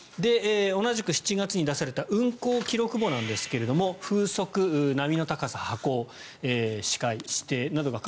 同じく７月に出された運航記録簿なんですが風速、波の高さ、波高視程、視界などが